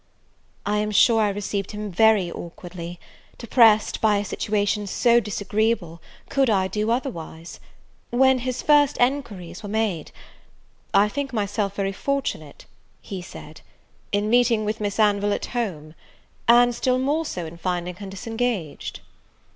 I am sure I received him very awkwardly: depressed by a situation so disagreeable could I do otherwise? When his first enquiries were made, "I think myself very fortunate," he said, "in meeting with Miss Anville at home, and still more so in finding her disengaged."